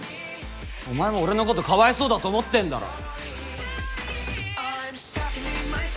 お前も俺のことかわいそうだと思ってんだろ？